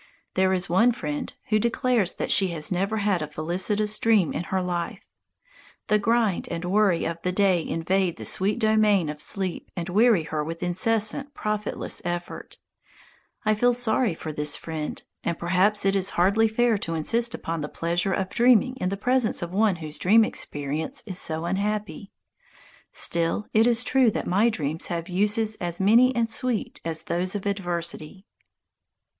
There is one friend who declares that she has never had a felicitous dream in her life. The grind and worry of the day invade the sweet domain of sleep and weary her with incessant, profitless effort. I feel very sorry for this friend, and perhaps it is hardly fair to insist upon the pleasure of dreaming in the presence of one whose dream experience is so unhappy. Still, it is true that my dreams have uses as many and sweet as those of adversity.